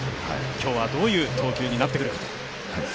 今日はどういう投球になってくるかと。